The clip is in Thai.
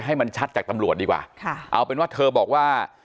ให้มันชัดจากตำรวจดีกว่าค่ะเอาเป็นว่าเธอบอกว่า